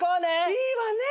いいわね！